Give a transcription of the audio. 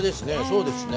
そうですね。